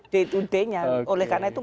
day to day nya oleh karena itu